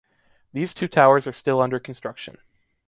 These two towers are still under construction.